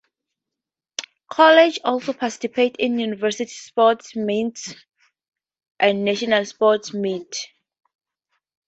College also participate in University Sports Meets and National Sports Meet.